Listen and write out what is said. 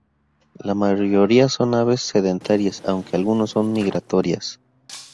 La mayoría son aves sedentarias, aunque algunos son migratorias.